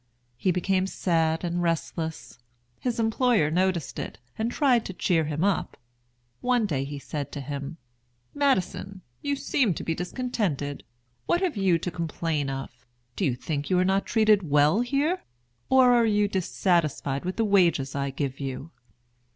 He became sad and restless. His employer noticed it, and tried to cheer him up. One day he said to him: "Madison, you seem to be discontented. What have you to complain of? Do you think you are not treated well here? Or are you dissatisfied with the wages I give you?"